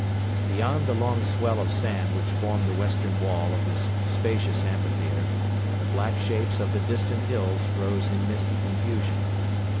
Beyond the long swell of sand which formed the western wall of this spacious amphitheatre the black shapes of the distant hills rose in misty confusion.